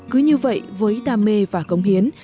cứ như vậy với đam mê và cống hiến